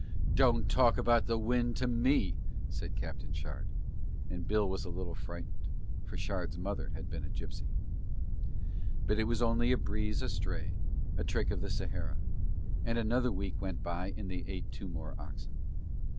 "Don't talk about the wind to me," said Captain Shard: and Bill was a little frightened for Shard's mother had been a gipsy. But it was only a breeze astray, a trick of the Sahara. And another week went by and they ate two more oxen.